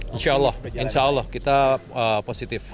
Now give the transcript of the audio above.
insya allah kita positif